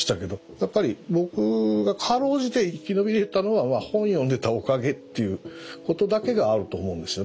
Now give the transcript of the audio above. やっぱり僕が辛うじて生き延びれたのは本読んでたおかげっていうことだけがあると思うんですよね。